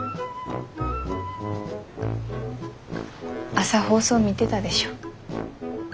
朝放送見てたでしょ。